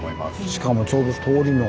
しかもちょうど通りの。